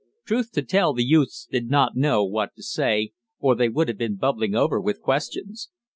Truth to tell the youths did not know what to say, or they would have been bubbling over with questions.